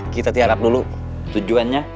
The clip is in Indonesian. kita tiarap dulu tujuannya